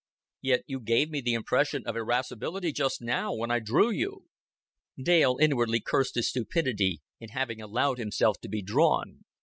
"Yet you gave me the impression of irascibility just now, when I drew you." Dale inwardly cursed his stupidity in having allowed himself to be drawn.